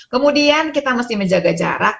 kemudian kita mesti menjaga jarak